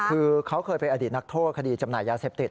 คือเขาเคยเป็นอดีตนักโทษคดีจำหน่ายยาเสพติด